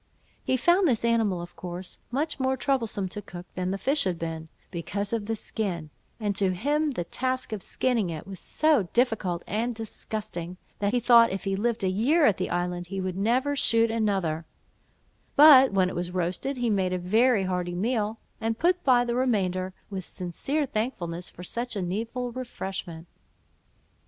He found this animal of course much more troublesome to cook than the fish had been, because of the skin; and to him the task of skinning it was so difficult and disgusting, that he thought if he lived a year at the island, he would never shoot another; but when it was roasted, he made a very hearty meal, and put by the remainder, with sincere thankfulness for such a needful refreshment.